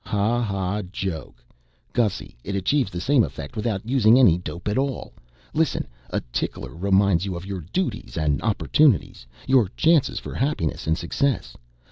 "Ha ha, joke. Gussy, it achieves the same effect without using any dope at all. Listen: a tickler reminds you of your duties and opportunities your chances for happiness and success!